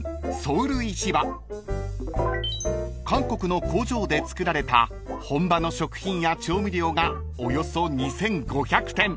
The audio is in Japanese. ［韓国の工場で作られた本場の食品や調味料がおよそ２，５００点］